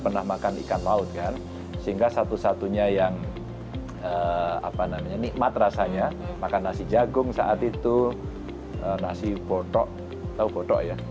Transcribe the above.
pernah makan ikan laut kan sehingga satu satunya yang apa namanya nikmat rasanya makan nasi jagung saat itu makanya nikmat rasanya makan nasi jagung saat itu saat itu eh